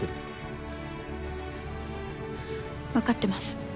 わかってます。